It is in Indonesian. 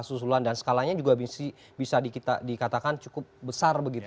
susulan dan skalanya juga bisa dikatakan cukup besar begitu